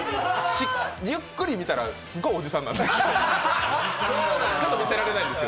ゆっくり見たらすごいおじさんなんです。